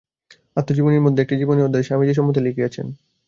আত্মজীবনীর একটি অধ্যায়ে তিনি স্বামীজী সম্বন্ধে লিখিয়াছেন।